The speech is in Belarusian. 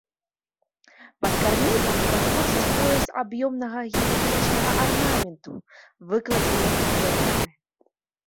Пад карнізам праходзіць пояс аб'ёмнага геаметрычнага арнаменту, выкладзены з цэглы.